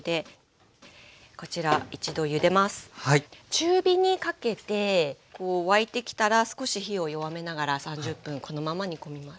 中火にかけて沸いてきたら少し火を弱めながら３０分このまま煮込みます。